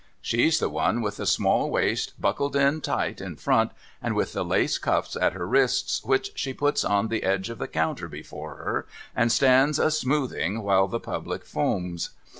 She's the one with the small waist buckled in tight in front, and with the lace cuffs at her wrists, which she puts on the edge of the counter before her, and stands a smoothing while the public foams.